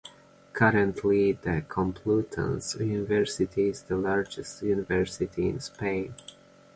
Currently, the Complutense University is the largest university in Spain.